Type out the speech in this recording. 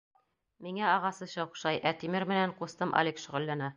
— Миңә ағас эше оҡшай, ә тимер менән ҡустым Алик шөғөлләнә.